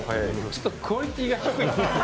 「ちょっとクオリティーが低い」